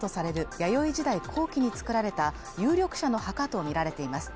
弥生時代後期に作られた有力者の墓とみられています。